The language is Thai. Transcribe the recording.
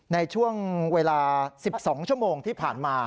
ในช่วงเวลา๑๒ชั่วโมงที่ผ่านมา